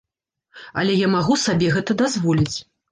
Але я магу сабе гэта дазволіць.